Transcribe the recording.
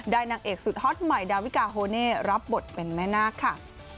นางเอกสุดฮอตใหม่ดาวิกาโฮเน่รับบทเป็นแม่นาคค่ะ